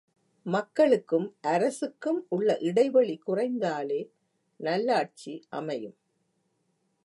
மக்களுக்கும் அரசுக்கும் உள்ள இடைவெளி குறைந்தாலே நல்லாட்சி அமையும்.